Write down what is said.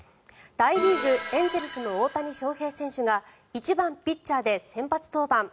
大リーグ、エンゼルスの大谷翔平選手が１番ピッチャーで先発登板。